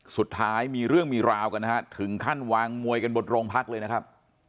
สุดท้ายมีเรื่องมีราวกันนะฮะถึงขั้นวางมวยกันบนโรงพักเลยนะครับ